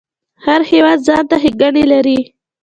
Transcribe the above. هر هیواد ځانته ښیګڼی لري